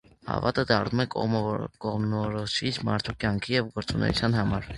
Հավատը դառնում է կողմնորոշիչ մարդու կյանքի և գործունեության համար։